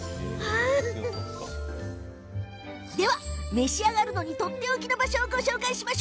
召し上がるのにとっておきの場所をご紹介します。